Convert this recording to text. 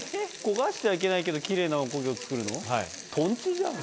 焦がしてはいけないけどキレイなおこげを作るの？